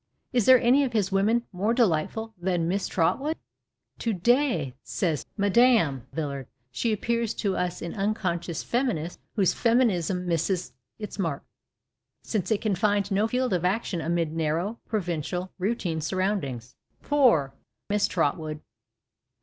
Is there any of his women more delightful than Miss Trot wood ?" To day,'" says Mme. Villard, " she appears to us an unconscious feminist whose feminism misses its mark, since it can find no field of action amid narrow, provincial, routine surroundings." Poor Miss Trotwood